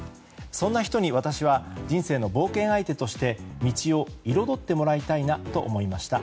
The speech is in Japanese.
そんな人に私は人生の冒険相手として道を彩ってもらいたいなと思いました。